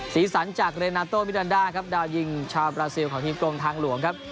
สีสันจากเรนาโตมิดันดาครับดาวยิงชาวบราซิลของทีมกรมทางหลวงครับ